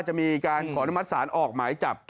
จะมีการขออนุมัติศาลออกหมายจับ